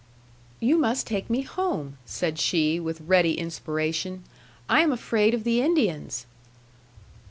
"You must take me home," said she, with ready inspiration. "I am afraid of the Indians."